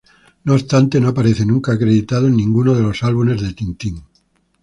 No obstante, no aparece nunca acreditado en ninguno de los álbumes de Tintín.